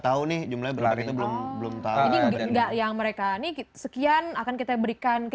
tahu nih jumlah berarti belum belum tahu enggak yang mereka ini sekian akan kita berikan ke